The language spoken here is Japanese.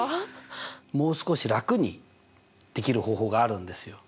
もう少し楽にできる方法があるんですよ。